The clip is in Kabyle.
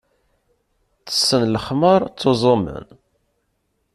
Tessen lexmeṛ, ttuẓumen.